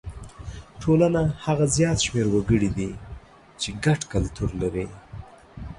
ټولنه هغه زیات شمېر وګړي دي چې ګډ کلتور لري.